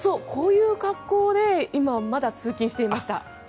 こういう格好で今、まだ通勤していました。